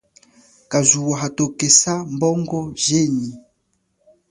Kazuwa hatokesa bongo jenyi.